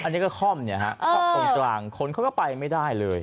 อันนี้ก็คล่อมเนี่ยฮะตรงคนเขาก็ไปไม่ได้เลย